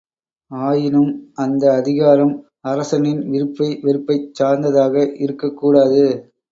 ஆயினும் அந்த அதிகாரம் அரசனின் விருப்பை வெறுப்பைச் சார்ந்ததாக இருக்கக்கூடாது.